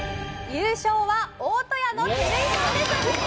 ・優勝は大戸屋の照井さんです